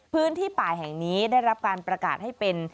พื้นที่ป่าแห่งนี้ได้รับการประกาศให้เป็น